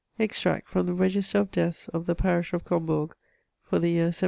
£xtract from the register of deaths of the Parish of Com bourg, for the year 1786.